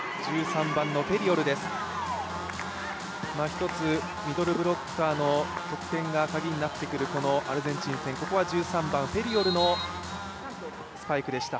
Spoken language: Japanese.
ひとつミドルブロッカーの得点が鍵になってくるアルゼンチン戦、ここは１３番、フェリオルのスパイクでした。